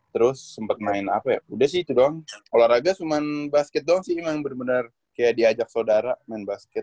terus sempet main apa ya udah sih itu doang olahraga cuman basket doang sih emang bener bener kayak diajak saudara main basket